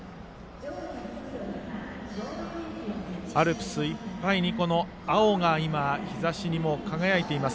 アルプスいっぱいに、青が日ざしにも輝いています。